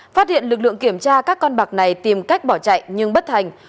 phát hiện lực lượng kiểm tra các con bạc này tìm cách bỏ chạy nhưng bất thành